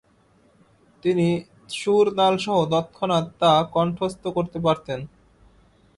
তিনি সুর, তাল-সহ তৎক্ষণাৎ তা কণ্ঠস্থ করতে পারতেন।